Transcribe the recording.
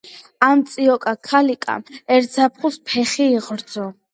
ამ წიოკა ქალიკამ ერთ ზაფხულს ფეხი იღრძო.